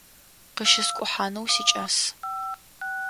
Къыщыскӏухьанэу сикӏас.